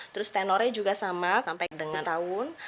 terus tenornya juga sama sampai dengan rawon